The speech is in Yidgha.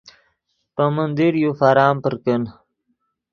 پے من دیر یو فارم پر کن